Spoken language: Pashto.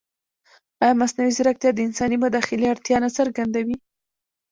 ایا مصنوعي ځیرکتیا د انساني مداخلې اړتیا نه څرګندوي؟